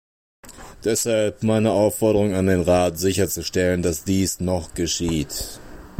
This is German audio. Deshalb meine Aufforderung an den Rat, sicherzustellen, dass dies noch geschieht.